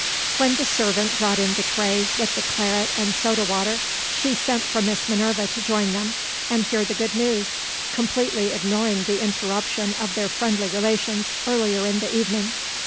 When the servant brought in the tray, with the claret and soda water, she sent for Miss Minerva to join them, and hear the good news; completely ignoring the interruption of their friendly relations, earlier in the evening.